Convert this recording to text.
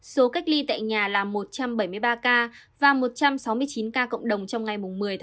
số cách ly tại nhà là một trăm bảy mươi ba ca và một trăm sáu mươi chín ca cộng đồng trong ngày một mươi một